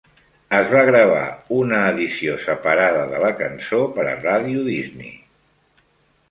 Es va gravar una edició separada de la cançó per a Radio Disney.